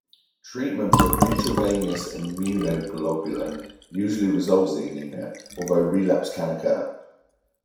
Treatment with intravenous immunoglobulin usually resolves the anemia although relapse can occur.